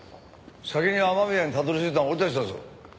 先に雨宮にたどり着いたのは俺たちだぞ。